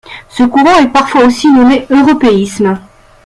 Ce courant est parfois aussi nommé européisme.